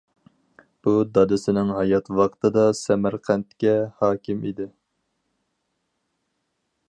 بۇ دادىسىنىڭ ھايات ۋاقتىدا سەمەرقەنتكە ھاكىم ئىدى.